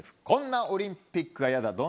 「こんなオリンピックはイヤだ」。